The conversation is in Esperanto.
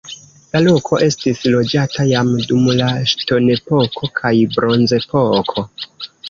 La loko estis loĝata jam dum la ŝtonepoko kaj bronzepoko.